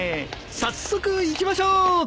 早速行きましょう！